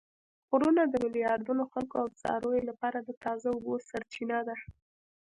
غرونه د میلیاردونو خلکو او څارویو لپاره د تازه اوبو سرچینه ده